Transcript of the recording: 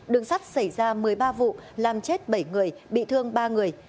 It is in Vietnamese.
đường sắt xảy ra một mươi ba vụ làm chết bảy người bị thương ba người